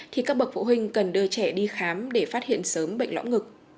thì các bậc phụ huynh cần đưa trẻ đi khám để phát hiện sớm bệnh lõng ngực